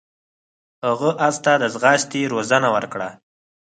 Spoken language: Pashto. هغه اس ته د ځغاستې روزنه ورکړه.